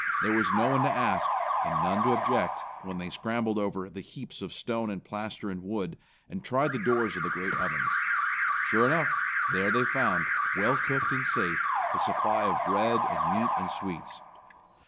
There was no one to ask and none to object when they scrambled over the heaps of stone and plaster and wood, and tried the doors of the great ovens. Sure enough, there they found, well cooked and safe, a supply of bread and meat and sweets.